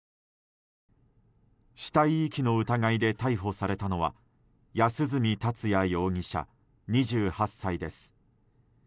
死体遺棄の疑いで逮捕されたのは安栖達也容疑者、２８歳です。